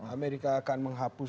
amerika akan menghapus